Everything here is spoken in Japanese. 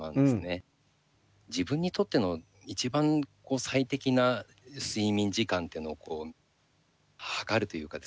自分にとっての一番最適な睡眠時間っていうのを測るというかですね